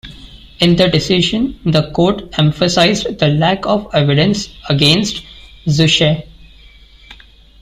In the decision, the Court emphasized the lack of evidence against Zucchet.